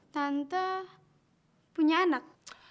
tante punya anak